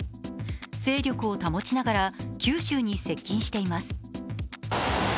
勢力を保ちながら九州に接近しています。